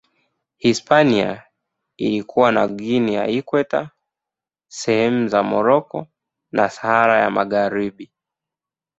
Hispania ilikuwa na Guinea ya Ikweta, sehemu za Moroko na Sahara Magharibi.